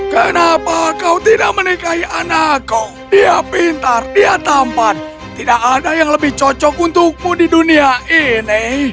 kenapa kau tidak menikahi anakku dia pintar dia tampan tidak ada yang lebih cocok untukmu di dunia ini